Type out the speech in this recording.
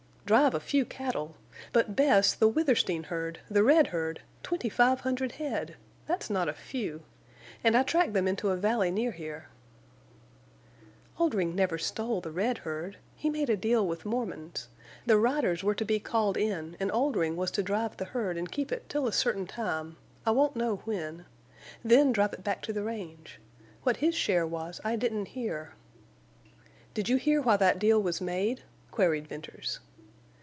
"Drive a few cattle! But, Bess, the Withersteen herd, the red herd—twenty five hundred head! That's not a few. And I tracked them into a valley near here." "Oldring never stole the red herd. He made a deal with Mormons. The riders were to be called in, and Oldring was to drive the herd and keep it till a certain time—I won't know when—then drive it back to the range. What his share was I didn't hear." "Did you hear why that deal was made?" queried Venters.